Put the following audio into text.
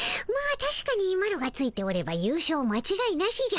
たしかにマロがついておればゆう勝まちがいなしじゃ。